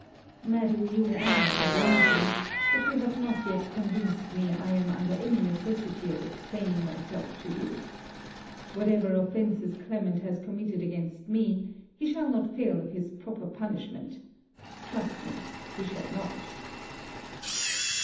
'Madam, you are obliging; but you have not yet convinced me I am under any necessity of explaining myself to you. Whatever offences Clement has committed against me, he shall not fail of his proper punishment trust me, he shall not.